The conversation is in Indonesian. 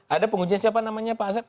ada pengujian siapa namanya pak azab